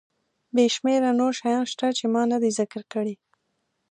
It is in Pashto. بې شمېره نور شیان شته چې ما ندي ذکر کړي.